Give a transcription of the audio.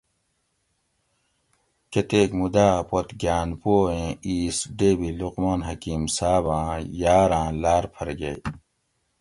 کۤتیک مُوداۤ پت گھاۤن پو ایں اِیس ڈیبی لقمان حکیم صاباۤں یاۤراۤں لاۤر پھر گیئے